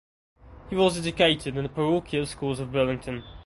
He was educated in the parochial schools of Burlington.